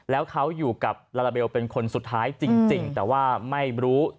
แล้วเขาอยู่กับลาลาเบลเป็นคนสุดท้ายจริงแต่ว่าไม่รู้